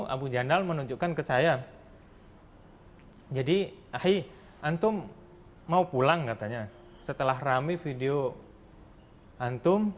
abu jandal menunjukkan ke saya jadi ahy antum mau pulang katanya setelah rame video antum